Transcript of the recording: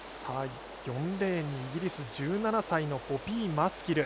４レーンにイギリス１７歳のポピーマスキル。